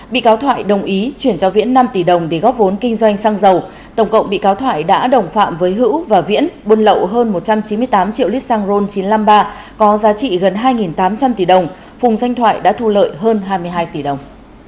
bị cáo thoại đồng ý chuyển cho viễn năm tỷ đồng để góp vốn kinh doanh xăng dầu tổng cộng bị cáo thoại đã đồng phạm với hữu và viễn buôn lậu hơn một trăm chín mươi tám triệu lít xăng ron chín trăm năm mươi ba có giá trị gần hai tám trăm linh tỷ đồng phùng danh thoại đã thu lợi hơn hai mươi hai tỷ đồng